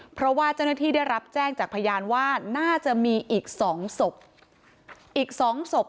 เพราะว่าเจ้าหน้าที่ได้รับแจ้งจากพยานว่าน่าจะมีอีก๒สบ